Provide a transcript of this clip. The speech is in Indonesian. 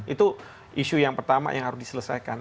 itu isu yang pertama yang harus diselesaikan